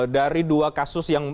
dari dua kasus yang